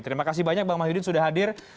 terima kasih banyak bang mahyudin sudah hadir